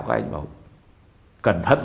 các anh bảo cẩn thận